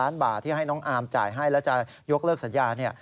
ล้านบาทที่ให้น้องอาร์มจ่ายให้แล้วจะยกเลิกสัญญาเนี่ย